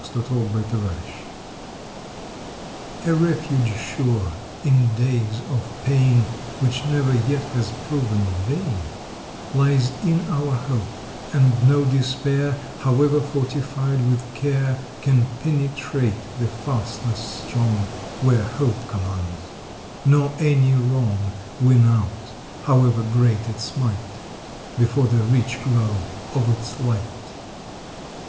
April Twenty first HOPE A REFUGE sure in days of pain ^ Which never yet has proven vain Lies in our Hope, and no Despair, However fortified with Care, Can penetrate the fastness strong Where Hope commands, nor any Wrong Win out, however great its might, Before the rich glow of its light.